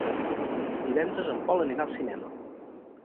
Divendres en Pol anirà al cinema.